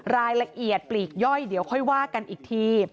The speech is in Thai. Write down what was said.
รายละเอียดปลีกย่อยเดี๋ยวค่อยว่ากันอีกที